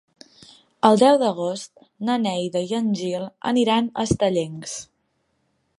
El deu d'agost na Neida i en Gil aniran a Estellencs.